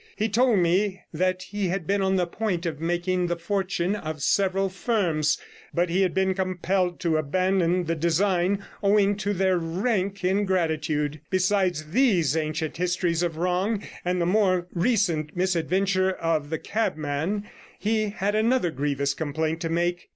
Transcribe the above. He told me that he had been on the point of making the fortune of several firms, but had been compelled to abandon the design owing to their rank ingratitude. Besides these ancient histories of wrong, and the more recent misadventure of the cabman, he had another grievous complaint to make.